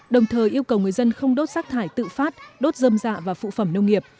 đồng thời yêu cầu người dân không đốt rác thải tự phát đốt dâm dạ và phụ phẩm nông nghiệp